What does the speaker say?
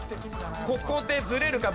ここでずれるか？